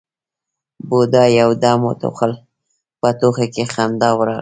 بوډا يو دم وټوخل، په ټوخي کې خندا ورغله: